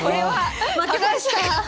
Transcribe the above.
負けました。